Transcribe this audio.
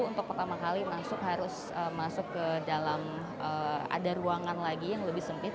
untuk pertama kali masuk harus masuk ke dalam ada ruangan lagi yang lebih sempit